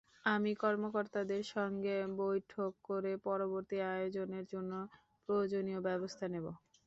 আমি কর্মকর্তাদের সঙ্গে বৈঠক করে পরবর্তী আয়োজনের জন্য প্রয়োজনীয় ব্যবস্থা নেব।